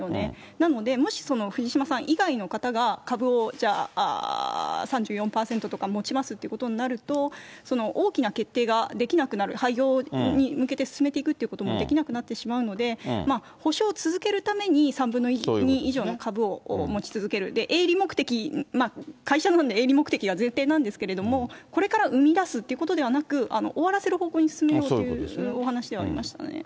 なので、もし藤島さん以外の方が株をじゃあ、３４％とか持ちますということになると、大きな決定ができなくなる、廃業に向けて進めていくということもできなくなってしまうので、補償を続けるために３分の２以上の株を持ち続ける、営利目的、会社なので営利目的が前提なんですけど、これから生み出すってことではなく、終わらせる方向に進めようというお話ではありましたね。